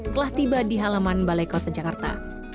telah tiba di halaman balai kota jakarta